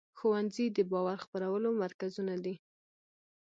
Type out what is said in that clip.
ښوونځي د باور خپرولو مرکزونه دي.